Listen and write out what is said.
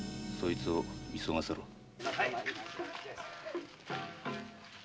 そいつを急がせろ。